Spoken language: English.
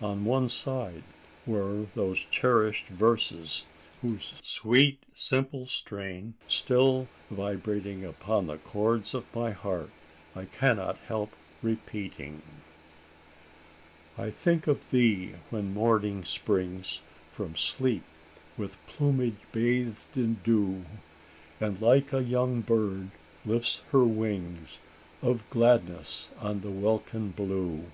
On one side were those cherished verses, whose sweet simple strain, still vibrating upon the chords of my heart, I cannot help repeating: "I think of thee, when Morning springs From sleep, with plumage bathed in dew, And like a young bird lifts her wings Of gladness on the welkin blue.